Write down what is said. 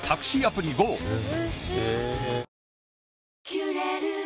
「キュレル」